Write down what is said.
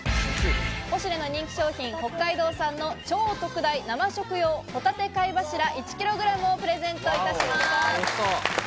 ポシュレの人気商品、北海道産「超特大生食用ホタテ貝柱１ｋｇ」をプレゼントいたします。